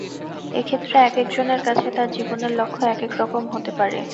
এক্ষেত্রে একেক জনের কাছে তার জীবনের লক্ষ্য একেক রকম হতে পারে।